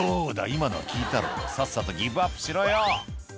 今のは効いたろさっさとギブアップしろよ」